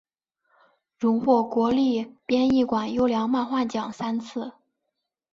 荣获国立编译馆优良漫画奖三次。